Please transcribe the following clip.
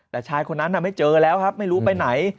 แต่ชายคนนั้นไม่เจอแล้วครับไม่รู้ไปไหน